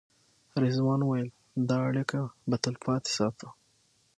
رضوان وویل دا اړیکه به تلپاتې ساتو.